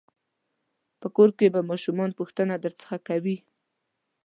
په کور کې به ماشومان پوښتنه درڅخه کوي.